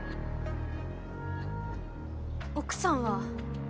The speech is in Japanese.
奥さんは？